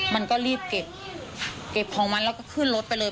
มันก็รีบเก็บของมันแล้วก็ขึ้นรถไปเลย